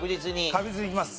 確実にいきます。